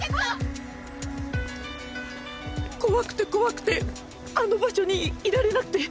怖くて怖くてあの場所にいられなくて。